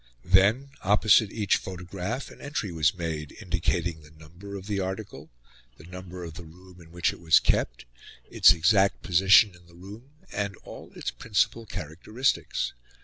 Then, opposite each photograph, an entry was made, indicating the number of the article, the number of the room in which it was kept, its exact position in the room and all its principal characteristics.